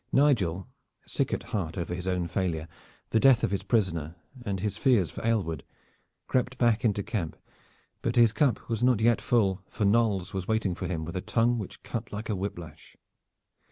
Nigel, sick at heart over his own failure, the death of his prisoner and his fears for Aylward, crept back into the camp, but his cup was not yet full, for Knolles was waiting for him with a tongue which cut like a whip lash.